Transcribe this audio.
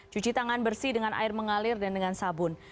cuci tangan bersih dengan air mengalir dan dengan sabun